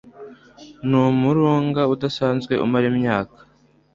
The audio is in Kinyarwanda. ni umurunga udasanzwe umara imyaka